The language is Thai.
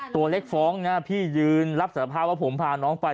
ตัวเล็กฟ้องนะพี่ยืนรับสารภาพว่าผมพาน้องไป